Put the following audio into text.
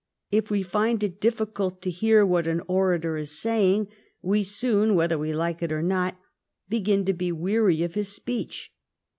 If we find it difficult to hear what an orator is saying, we soon, whether we like it or not, begin to be weary of his speech.